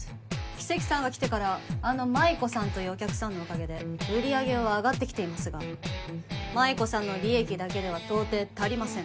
キセキさんが来てからあの舞子さんというお客さんのおかげで売り上げは上がってきていますが舞子さんの利益だけでは到底足りません